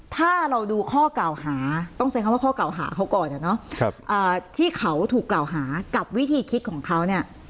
ที่เขาถูกกล่าวหากับวิธีคิดของเขา